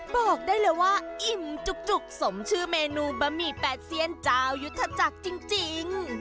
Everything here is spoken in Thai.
บอกได้เลยว่าอิ่มจุกสมชื่อเมนูบะหมี่แปดเซียนเจ้ายุทธจักรจริง